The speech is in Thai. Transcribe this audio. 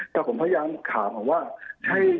แต่ผมพยายามถามผมว่า